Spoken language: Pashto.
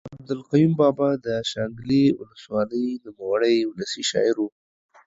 عبدالقیوم بابا د شانګلې اولس والۍ نوموړے اولسي شاعر ؤ